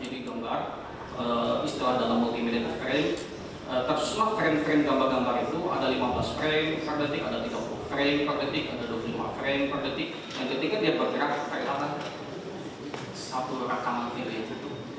jadi gambar istilah dalam multimedial frame tersusulah frame frame gambar gambar itu ada lima belas frame per detik ada tiga puluh frame per detik ada dua puluh lima frame per detik dan ketika dia bergerak tarik atas satu rakaman pilih itu